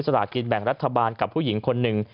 ลากินแบ่งรัฐบาลกับผู้หญิงคนหนึ่ง